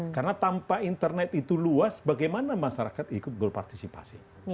karena tanpa internet itu luas bagaimana masyarakat ikut goal partisipasi